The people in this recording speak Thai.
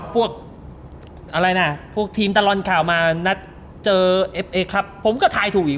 พวกอะไรนะพวกทีมตลอดข่าวมานัดเจอเอฟเอครับผมก็ทายถูกอีก